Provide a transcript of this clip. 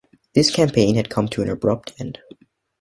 This campaign had to come to an abrupt end.